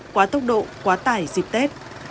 quá tốc độ quá tải dịp tết